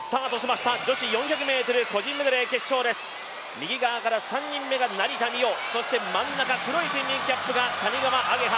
右側から３人目が成田実生そして真ん中黒いスイミングキャップが谷川亜華葉。